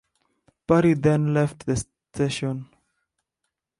Parry then left the station.